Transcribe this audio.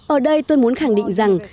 ở đây tôi muốn khẳng định rằng